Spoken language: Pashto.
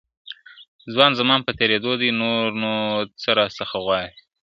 ځوان زمان په تېرېدو دی نور نو څه راڅخه غواړې